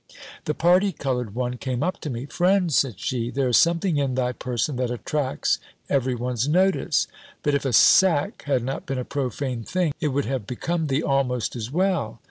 The party coloured one came up to me: "Friend," said she, "there is something in thy person that attracts every one's notice: but if a sack had not been a profane thing, it would have become thee almost as well."